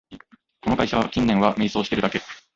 この会社、近年は迷走してるだけ